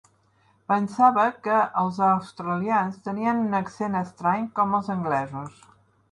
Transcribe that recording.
Pensava que els australians tenien un accent estrany, com els anglesos.